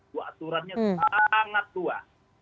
dua aturannya sangat tua